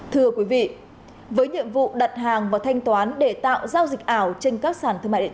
thưa quý vị với nhiệm vụ đặt hàng và thanh toán để tạo giao dịch ảo trên các sản thương mại điện tử